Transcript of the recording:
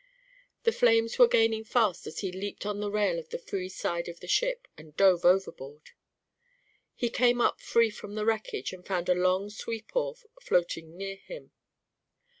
The flames were gaining fast as he leaped to the rail on the free side of the ship, and dove overboard. He came up free from the wreckage and found a long sweep oar floating near him.